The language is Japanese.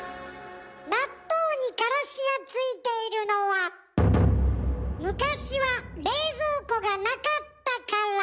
納豆にからしがついているのは昔は冷蔵庫がなかったから。